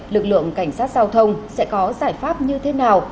lực lượng cảnh sát giao thông sẽ có giải pháp như thế nào